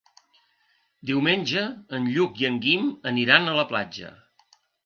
Diumenge en Lluc i en Guim aniran a la platja.